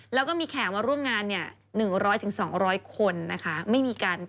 แล้วก็มีแขกมาร่วมงาน๑๐๐๒๐๐คนนะคะ